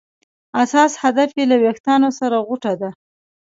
اساس هدف یې له ویښتیا سره غوټه ده.